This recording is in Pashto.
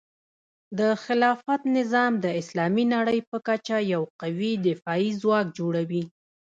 د خلافت نظام د اسلامي نړۍ په کچه یو قوي دفاعي ځواک جوړوي.